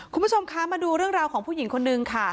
คุณผู้ชมคะมาดูเรื่องราวของผู้หญิงคนนึงค่ะ